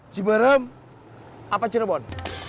ciberem atau cirebon